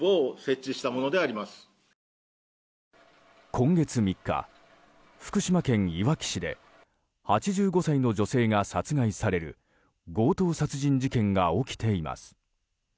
今月３日、福島県いわき市で８５歳の女性が殺害される強盗殺人事件が起きています。